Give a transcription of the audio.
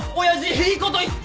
いいこと言った！